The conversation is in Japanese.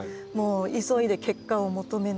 急いで結果を求めない。